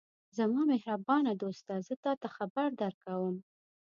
زما مهربانه دوسته! زه تاته خبر درکوم.